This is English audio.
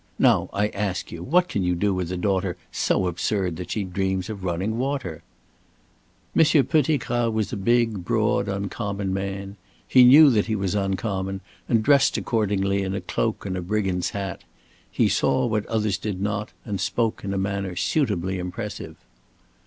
Now, I ask you, what can you do with a daughter so absurd that she dreams of running water?" Monsieur Pettigrat was a big, broad, uncommon man; he knew that he was uncommon, and dressed accordingly in a cloak and a brigand's hat; he saw what others did not, and spoke in a manner suitably impressive.